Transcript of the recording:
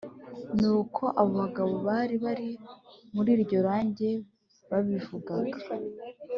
nk’uko abo bagabo bari bari muri iryo rage babivugaga